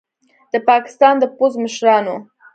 د پاکستان د پوځ مشرانو